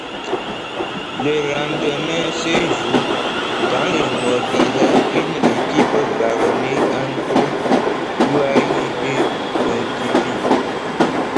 Le lendemain se joue, dans le Morbihan, une étape vallonnée entre Plouay et Pontivy.